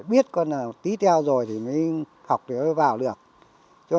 biết con là tí theo rồi thì mới học vào được